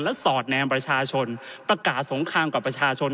และสอดแนมประชาชนประกาศสงครามกับประชาชน